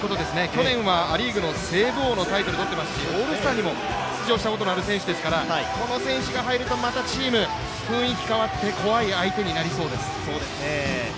去年はア・リーグのセーブ王のタイトルをとっていますし、オールスターにも出場したことのある選手ですからこの選手が入ると、チーム、雰囲気変わって怖い相手になりそうです。